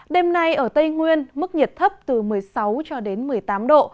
đêm nay ở tây nguyên mức nhiệt thấp từ một mươi sáu cho đến một mươi tám độ